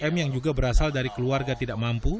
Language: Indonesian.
m yang juga berasal dari keluarga tidak mampu